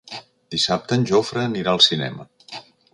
Dissabte en Jofre anirà al cinema.